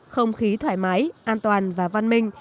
không khí thoải mái an toàn và văn minh